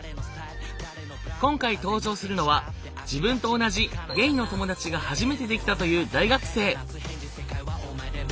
今回登場するのは自分と同じゲイの友達が初めてできたという大学生。